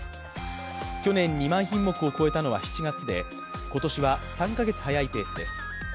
去年２万品目を超えたのは７月で今年は３か月早いペースです。